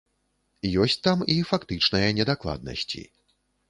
Ёсць там і фактычныя недакладнасці.